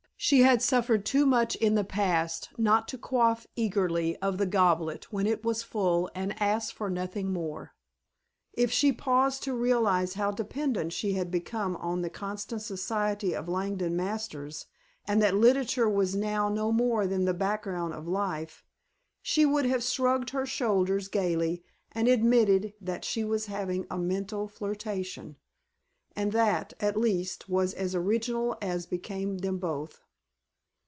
She had suffered too much in the past not to quaff eagerly of the goblet when it was full and ask for nothing more. If she paused to realize how dependent she had become on the constant society of Langdon Masters and that literature was now no more than the background of life, she would have shrugged her shoulders gaily and admitted that she was having a mental flirtation, and that, at least, was as original as became them both.